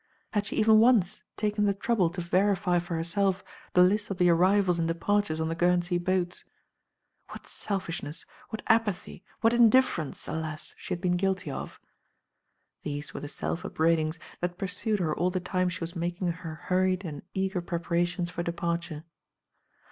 Had she even once taken the trou ble to verify for herself the list of the arrivals and departures on the Guernsey boats. What selfish ness, what apathy, what indifference^ alas! she had been guilty of. These were the self upbraidings that pursued her all the time she was making her hurried and eager preparations for departure.